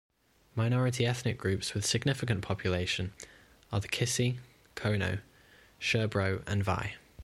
Minority ethnic groups with significant population are the Kissi, Kono, Sherbro and Vai.